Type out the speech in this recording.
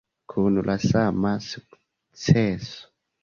Kun la sama sukceso.